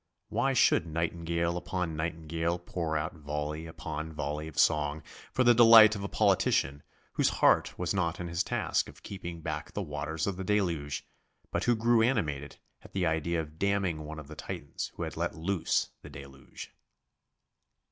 Why should nightingale upon nightingale pour out volley upon volley of song for the delight of a politician whose heart was not in his task of keeping back the waters of the deluge, but who grew animated at the idea of damning one of the titans who had let loose the deluge?